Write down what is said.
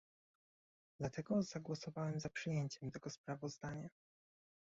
Dlatego zagłosowałem za przyjęciem tego sprawozdania